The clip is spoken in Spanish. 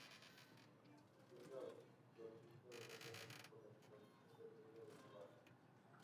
Siendo absorbido rápidamente por la expansión del Reino de Navarra.